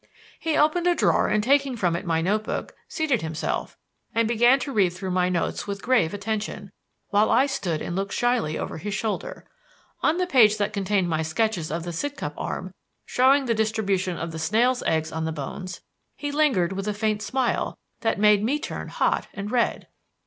He opened a drawer and taking from it my notebook, seated himself, and began to read through my notes with grave attention, while I stood and looked shyly over his shoulder. On the page that contained my sketches of the Sidcup arm, showing the distribution of the snails' eggs on the bones, he lingered with a faint smile that made me turn hot and red.